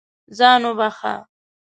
ځان وبښه.